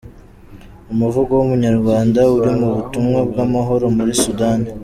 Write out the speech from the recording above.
Umuvugo w’Umunyarwanda uri mu butumwa bw’amahoro muri Sudani.